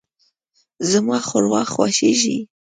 زما ښوروا خوښیږي.